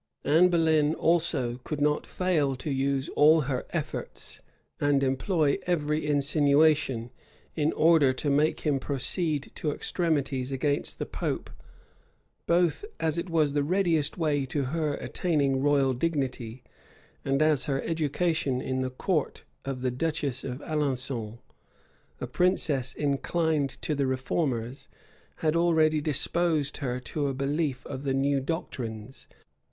Anne Boleyn also could not fail to use all her efforts, and employ every insinuation, in order to make him proceed to extremities against the pope; both as it was the readiest way to her attaining royal dignity, and as her education in the court of the duchess of Alençon, a princess inclined to the reformers, had already disposed her to a belief of the new doctrines.